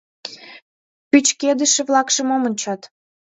Пӱчкедыше-влакше мом ончат?